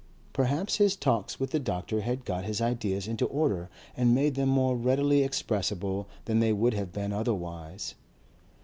Perhaps his talks with the doctor had got his ideas into order and made them more readily expressible than they would have been otherwise.